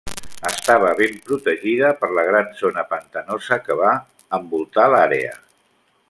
Estava ben protegida per la gran zona pantanosa que va envoltar l'àrea.